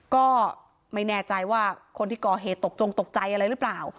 ก็ไม่แน่ใจว่าคนที่ก่อเหตุตกจงตกใจอะไรหรือเปล่า